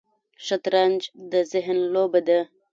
شطرنج د ذهن لوبه ده